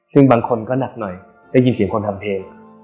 ซึ่งบางคนก็หนักหน่อยได้ยินเสียงคนทำเพลง